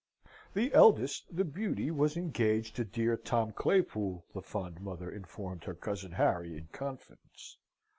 The eldest, the Beauty, was engaged to dear Tom Claypool, the fond mother informed her cousin Harry in confidence.